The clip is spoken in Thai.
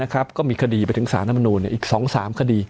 ก็มีคดีไปถึงสามารุอีก๒๓คดี